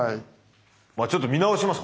ちょっと見直します。